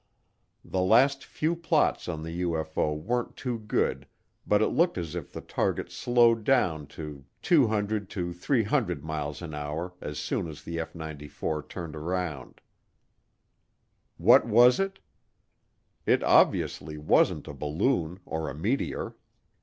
The last few plots on the UFO weren't too good but it looked as if the target slowed down to 200 to 300 miles an hour as soon as the F 94 turned around. What was it? It obviously wasn't a balloon or a meteor.